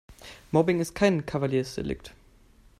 Mobbing ist kein Kavaliersdelikt.